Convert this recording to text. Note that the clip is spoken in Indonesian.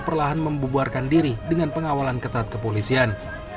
perlahan membuarkan diri dengan pengawalan ketat kepolisian